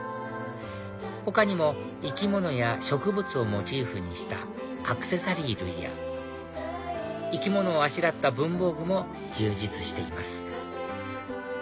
他にも生き物や植物をモチーフにしたアクセサリー類や生き物をあしらった文房具も充実しています